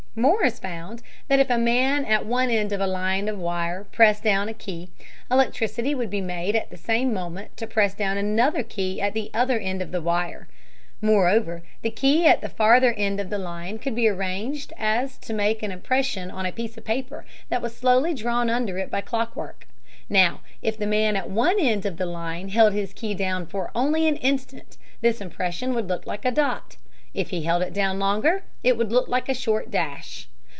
Morse found out that if a man at one end of a line of wire pressed down a key, electricity could be made at the same moment to press down another key at the other end of the line of wire. Moreover, the key at the farther end of the line could be so arranged as to make an impression on a piece of paper that was slowly drawn under it by clockwork. Now if the man at one end of the line held his key down for only an instant, this impression would look like a dot. If he held it down longer, it would look like a short dash.